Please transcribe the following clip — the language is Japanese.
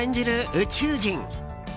宇宙人。